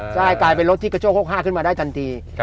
ใช่กลายเป็นรถที่กระโชค๖๕ขึ้นมาได้ทันที